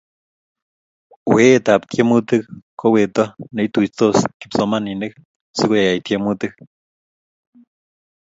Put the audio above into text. weetab tiemutik ko weto netuisiot kipsomaninik sikoyae tiemutik